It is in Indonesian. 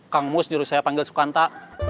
kang mus suruh saya panggil sukanta